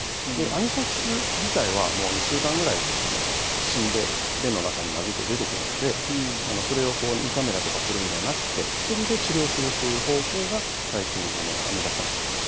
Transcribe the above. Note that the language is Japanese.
アニサキス自体は１週間ぐらいで死んで便の中に混じって出てくるのでそれを胃カメラとかするんではなくて薬で治療するという方向が最近、編み出されています。